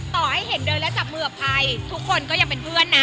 ต่อให้เห็นเดินแล้วจับมือกับภัยทุกคนก็ยังเป็นเพื่อนนะ